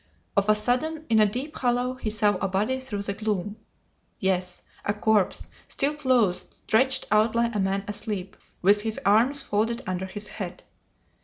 Of a sudden, in a deep hollow, he saw a body through the gloom! Yes! A corpse, still clothed, stretched out like a man asleep, with his arms folded under his head!